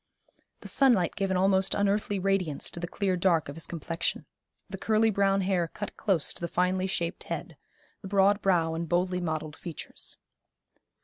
The sunlight gave an almost unearthly radiance to the clear dark of his complexion, the curly brown hair cut close to the finely shaped head, the broad brow and boldly modelled features.